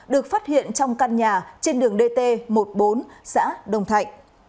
được phát hiện trong căn nhà trên đường dt một mươi bốn xã đồng thạnh